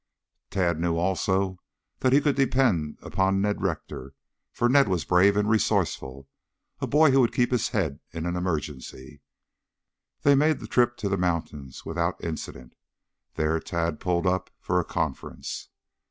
Tad knew also that he could depend upon Ned Rector, for Ned was brave and resourceful, a boy who would keep his head in an emergency. They made the trip to the mountains without incident. There Tad pulled up for a conference.